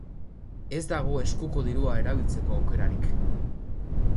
Ez dago eskuko dirua erabiltzeko aukerarik.